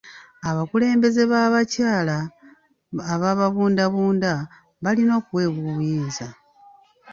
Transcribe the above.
Abakulembeze b'abakyala ababundabunda balina okuweebwa obuyinza.